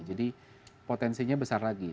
jadi potensinya besar lagi